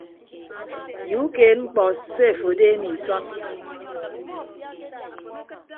Ye ukeed mkpọ se afo adeeme isọn.